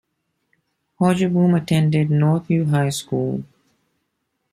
Hogeboom attended Northview High School.